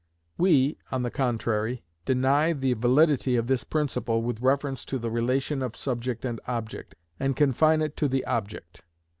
We, on the contrary, deny the validity of this principle with reference to the relation of subject and object, and confine it to the object.